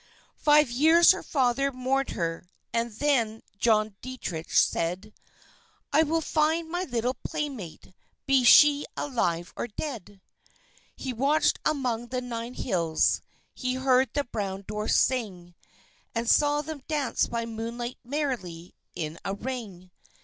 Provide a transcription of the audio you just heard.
Five years her father mourned her; and then John Deitrich said: "I will find my little playmate, be she alive or dead." He watched among the Nine Hills, he heard the Brown Dwarfs sing, And saw them dance by moonlight merrily in a ring.